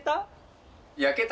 焼けた？